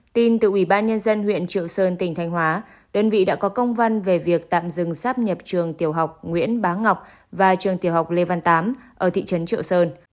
tin từ ủy ban nhân dân huyện triệu sơn tỉnh thanh hóa đơn vị đã có công văn về việc tạm dừng sắp nhập trường tiểu học nguyễn bá ngọc và trường tiểu học lê văn tám ở thị trấn triệu sơn